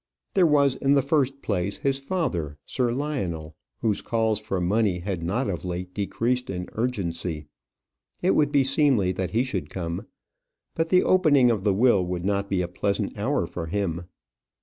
There was, in the first place, his father, Sir Lionel, whose calls for money had not of late decreased in urgency. It would be seemly that he should come; but the opening of the will would not be a pleasant hour for him.